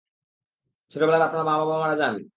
ছোটবেলায় আপনার মা মারা যান?